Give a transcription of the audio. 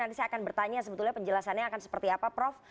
nanti saya akan bertanya sebetulnya penjelasannya akan seperti apa prof